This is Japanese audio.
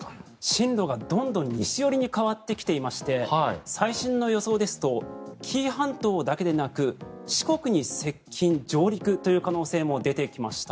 進路がどんどん西寄りに変わってきていまして最新の予想ですと紀伊半島だけでなく四国に接近・上陸という可能性も出てきました。